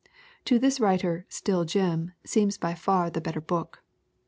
To this writer Still Jim seems by far the better book.